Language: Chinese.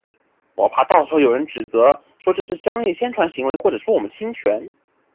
我怕到时候有人指责，说这是商业宣传行为或者说我们侵权